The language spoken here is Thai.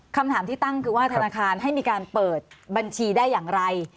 คำถามที่ตั้งคือว่าธนาคารให้มีการเปิดบัญชีได้อย่างไร